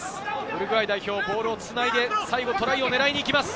ウルグアイ代表、ボールをつないで、トライを狙いにいきます。